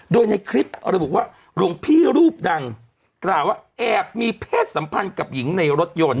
โดยในคลิประบุว่าหลวงพี่รูปดังกล่าวว่าแอบมีเพศสัมพันธ์กับหญิงในรถยนต์